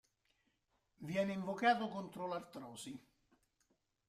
Viene invocato contro l'artrosi.